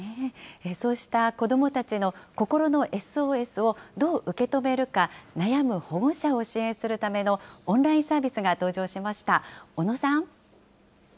そうした子どもたちの心のＳＯＳをどう受け止めるか悩む保護者を支援するためのオンラインサービスが登場しました。